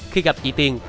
khi gặp chị tiên